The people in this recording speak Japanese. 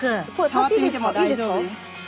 触ってみても大丈夫です。